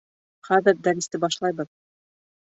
Хәҙер дәресте башлайбыҙ.